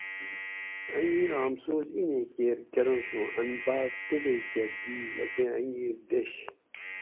انگیرا امسوس اینیں کیر کرنش اوں ان باۤر توبیکہ دیش اسی انگیر دیش